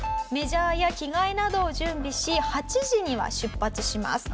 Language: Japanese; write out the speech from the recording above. メジャーや着替えなどを準備し８時には出発します。